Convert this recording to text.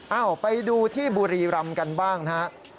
ไปดูที่บุรีรำกันบ้างนะครับ